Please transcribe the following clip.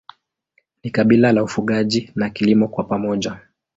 Ni kabila la ufugaji na kilimo kwa pamoja.